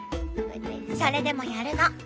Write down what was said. それでもやるの！